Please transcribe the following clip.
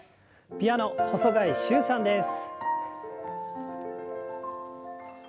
ピアノ細貝柊さんです。